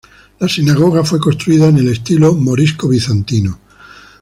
La sinagoga fue construida en el estilo morisco-bizantino.